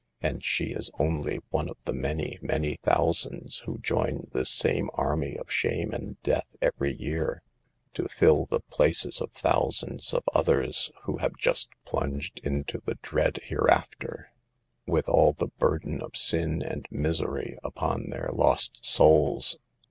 And she is only one of the many, many thousands who join this same army of shame and death every year, to fill the places of thousands of others who have just plunged into the dread hereafter, with all the burden of sin and misery upon their lost souls. 44 SAVE THE GIRLS.